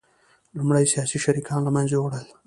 لومړی سیاسي شریکان له منځه یوړل